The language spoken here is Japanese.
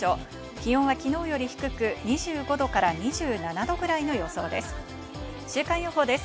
気温は昨日より低く２５度から２７度くらいの予想です。